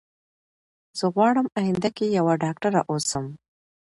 زه غواړم اينده کي يوه ډاکتره اوسم